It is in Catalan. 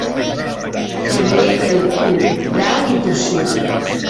Febrer el curt, brau i tossut.